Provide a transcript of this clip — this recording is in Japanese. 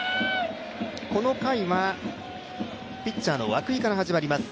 この回は、ピッチャーの涌井から始まります。